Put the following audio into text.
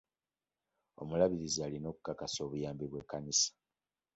Omulabirizi alina okukakasa obuyambi bw'ekkanisa